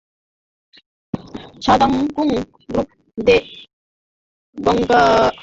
সা-দ্বাং-কুন-গ্রুব-ব্দে-দ্গা'-ব্জাং-পো এবং ত্শে-দ্বাং-ল্হা-মো উভয়েই অত্যন্ত ধর্মপ্রাণ ব্যক্তি ছিলেন।